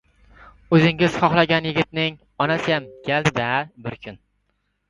— O‘zingiz xohlagan yigitning onasiyam keladi-da, bir kun.